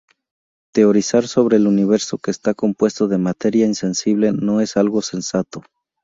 Teorizar sobre un universo que está compuesto de materia insensible no es algo sensato.